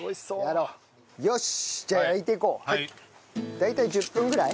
大体１０分ぐらい？